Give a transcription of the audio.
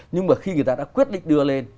nhưng mà khi người ta đã quyết định đưa lên